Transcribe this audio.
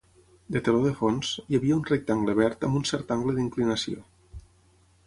De teló de fons, hi havia un rectangle verd amb un cert angle d'inclinació.